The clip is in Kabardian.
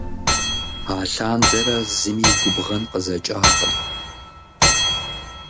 Алъандэрэ зыми и губгъэн къызэкӀакъым.